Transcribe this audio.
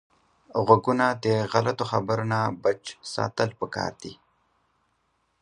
غوږونه د غلطو خبرو نه بچ ساتل پکار دي